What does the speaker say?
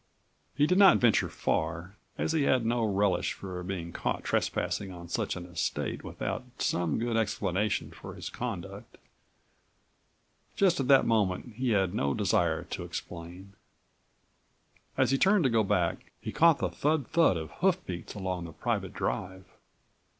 He did not venture far, as he had no relish for being caught trespassing on such an estate without some good explanation for his conduct. Just at that moment he had no desire to explain.32 As he turned to go back, he caught the thud thud of hoof beats along the private drive.